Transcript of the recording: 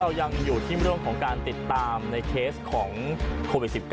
ยังอยู่ที่เรื่องของการติดตามในเคสของโควิด๑๙